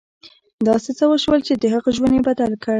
داسې څه وشول چې د هغه ژوند یې بدل کړ